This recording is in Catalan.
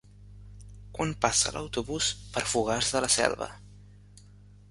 Quan passa l'autobús per Fogars de la Selva?